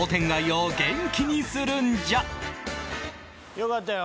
よかったよ